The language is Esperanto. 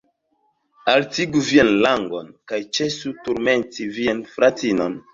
Haltigu vian langon kaj ĉesu turmenti vian fratinon.